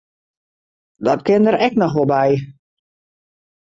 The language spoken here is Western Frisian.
Dat kin der ek noch wol by.